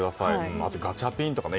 あと、ガチャピンとかね。